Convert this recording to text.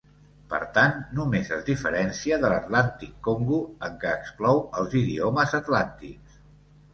Per tant, només es diferencia de l"Atlàntic-Congo en què exclou els idiomes atlàntics.